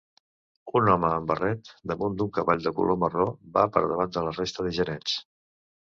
Un home amb barret damunt d'un cavall de color marró va per davant de la resta de genets.